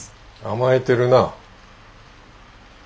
甘えてるな。